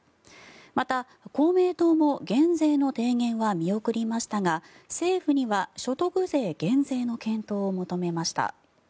また、公明党も減税の提言は見送りましたが政府には所得税減税の検討を求めました。